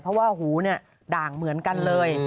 เพราะว่าหูเนี่ยด่างเหมือนกันเลย